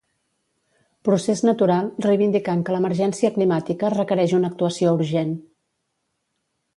Procés natural, reivindicant que l'emergència climàtica requereix una actuació urgent.